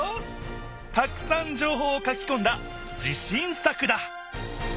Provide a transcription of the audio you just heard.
たくさんじょうほうを書きこんだ自しん作だ。